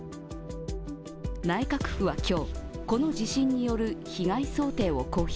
内閣府は今日、この地震による被害想定を公表。